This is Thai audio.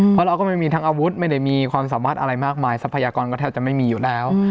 เพราะเราก็ไม่มีทั้งอาวุธไม่ได้มีความสามารถอะไรมากมายทรัพยากรก็แทบจะไม่มีอยู่แล้ว